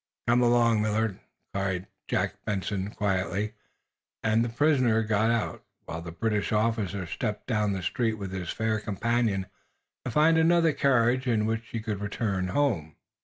"Come along, Millard," called Jack Benson, quietly, and the prisoner got out, while the British officer stepped down the street with his fair companion to find another carriage in which she could return home.